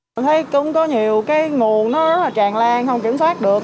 tôi thấy cũng có nhiều cái nguồn nó rất là tràn lan không kiểm soát được